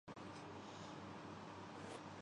ریاست مہاراشٹرا میں کار حادثے میں